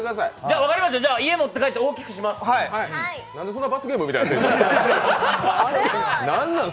分かりました、家に持って帰って大きくします。